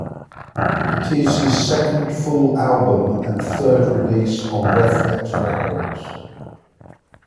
It is his second full album and third release on Rephlex Records.